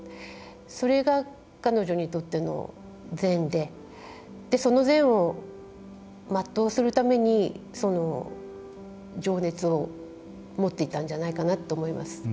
それが彼女にとっての善でその善を全うするために情熱を持っていたんじゃないかなと思います。